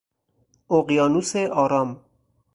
اقیانوس آرام